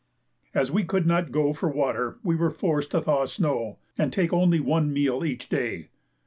As we could not go for water we were forced to thaw snow, and take only one meal each day.